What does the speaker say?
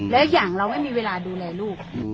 และอย่างเราไม่มีเวลาดูแลลูก